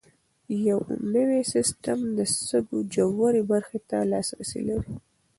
یوني سیسټم د سږو ژورې برخې ته لاسرسی لري.